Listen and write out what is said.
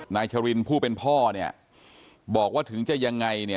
นายฉะวินผู้เป็นพ่อบอกว่าถึงจะยังไง